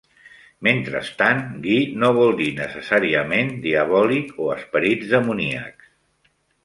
Mentrestant, "gui" no vol dir necessàriament "diabòlic" o esperits demoníacs.